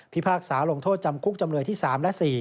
พากษาลงโทษจำคุกจำเลยที่๓และ๔